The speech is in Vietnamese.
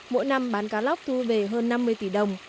mỗi năm bán cá lóc thu về hơn năm mươi tỷ đồng